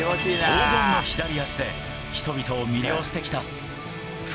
黄金の左足で人々を魅了してきた。